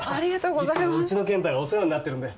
いつもうちの健太がお世話になってるんで。